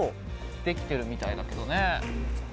できてるみたいだけどね。